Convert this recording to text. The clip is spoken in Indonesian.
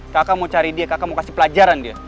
kakak mau cari dia kakak mau kasih pelajaran dia